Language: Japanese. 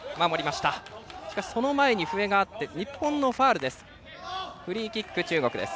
しかしその前に笛があって日本のファウルです。